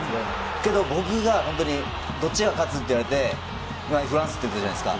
僕がどっちが勝つかってなってフランスって言ったじゃないですか。